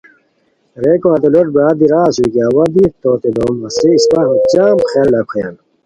ریکو ہتے لوٹ برار رے اسور کی اوا دی تتوت دوم ہسے اسپہ جام خیالو لاکھویان